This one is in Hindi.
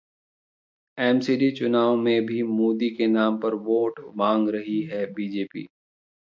एमसीडी चुनाव में भी मोदी के नाम पर वोट मांग रही है बीजेपी